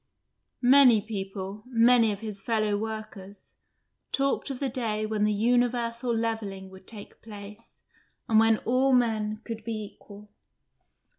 Many people many of his fellow workers talked of the day when the universal levelling would take place and when all men could be equal.